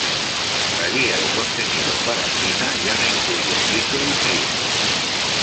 La guía de contenido para China ya no incluye Twitter y Facebook.